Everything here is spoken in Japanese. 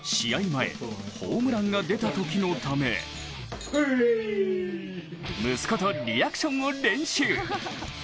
前ホームランが出たときのため息子とリアクションを練習。